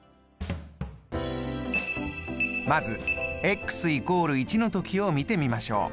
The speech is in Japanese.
まず＝１の時を見てみましょう。